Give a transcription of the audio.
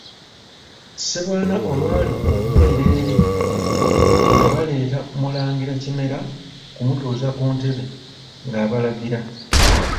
Ssebwana olwali okubulira eri, nga baleeta Mulangira Kimera kumutuuza ku ntebe, nga balagira.